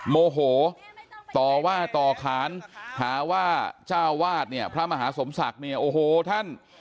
โมโหต่อว่าต่อขานหาว่าเจ้าวาดเนี่ยพระมหาสมศักดิ์เนี่ยโอ้โหท่าน